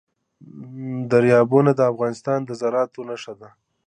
دریابونه د افغانستان د زرغونتیا نښه ده.